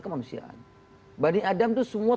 kemanusiaan bani adam itu semua